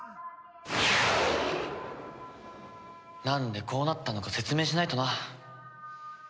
なんでこうなったのか説明しないとな。